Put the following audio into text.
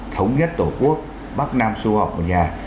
thống nhất tổ quốc bắc nam xô họp một nhà